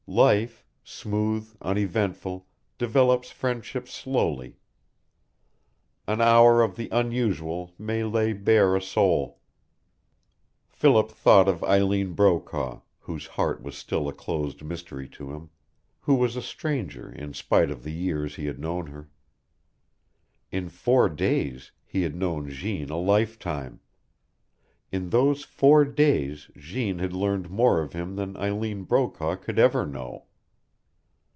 Life, smooth, uneventful, develops friendship slowly; an hour of the unusual may lay bare a soul. Philip thought of Eileen Brokaw, whose heart was still a closed mystery to him; who was a stranger, in spite of the years he had known her. In four days he had known Jeanne a lifetime; in those four days Jeanne had learned more of him than Eileen Brokaw could ever know.